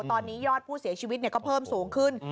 ตอนนี้ยอดผู้เสียชีวิตก็เพิ่มสูงขึ้น